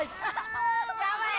やばい！